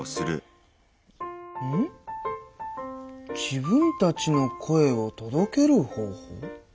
自分たちの声を届ける方法？